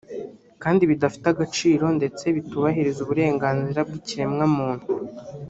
kandi bidafite agaciro ndetse bitubahiriza uburenganzira bw’ikiremwamuntu